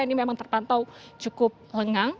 ini memang terpantau cukup lengang